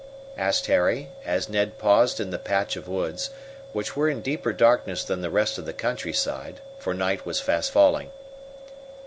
asked Harry, as Ned paused in the patch of woods, which were in deeper darkness than the rest of the countryside, for night was fast falling.